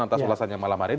atas ulasannya malam hari ini